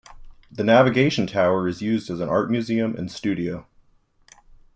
The navigation tower is used as an art museum and studio.